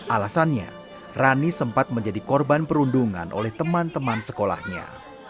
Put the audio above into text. alasannya rani sempat menjadi korban perundungan oleh teman teman sekolahnya